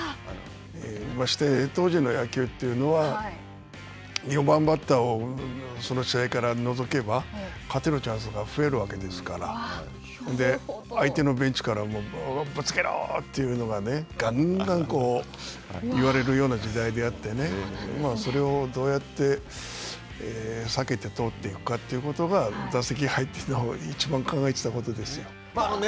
まして、当時の野球というのは、４番バッターをその試合から除けば勝てるチャンスが増えるわけですから、相手のベンチからも、ぶつけろというのがね、がんがん言われるような時代であってね、それをどうやって避けて通っていくかということが打席に入ってからいちばん考えてたことですね。